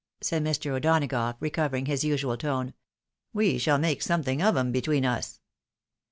said Mr. O'Donagough, recovering his usual tone ; "we shall make something of 'em between us."